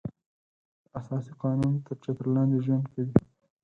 د اساسي قانون تر چتر لاندې ژوند کوي.